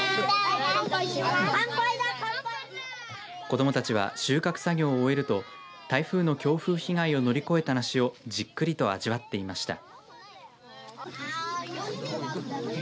子どもたちは収穫作業を終えると台風の強風被害を乗り越えた梨をじっくりと味わっていました。